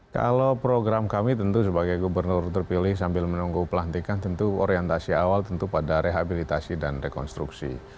kalau program kami tentu sebagai gubernur terpilih sambil menunggu pelantikan tentu orientasi awal tentu pada rehabilitasi dan rekonstruksi